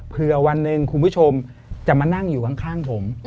เพื่อวันหนึ่งคุณผู้ชมจะมานั่งอยู่ข้างผม